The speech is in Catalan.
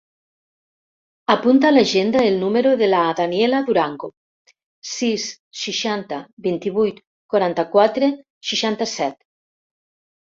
Apunta a l'agenda el número de la Daniela Durango: sis, seixanta, vint-i-vuit, quaranta-quatre, seixanta-set.